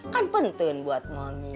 kan penten buat mami